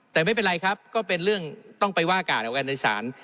แต่ไม่เป็นไรครับก็เป็นเรื่องต้องไปว่ากาศเอากันในศาล